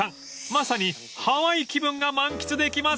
まさにハワイ気分が満喫できますよ］